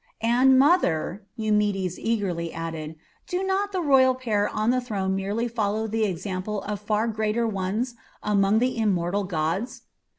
"And, mother," Eumedes eagerly added, "do not the royal pair on the throne merely follow the example of far greater ones among the immortal gods?